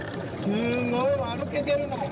すごい！歩けてるもん。